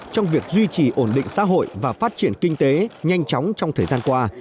trong việc duy trì ổn định xã hội và phát triển kinh tế nhanh chóng trong thời gian qua